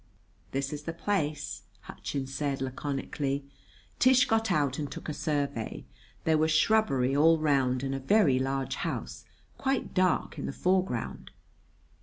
"This is the place," Hutchins said laconically. Tish got out and took a survey. There was shrubbery all round and a very large house, quite dark, in the foreground.